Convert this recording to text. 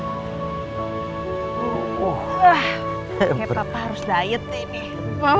wah kayak papa harus diet nih